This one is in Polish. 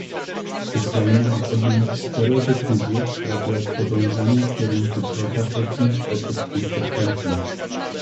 Ukraina mu podjąć szczerą decyzję w sprawie podążania w kierunku prozachodnim w sposób konsekwentny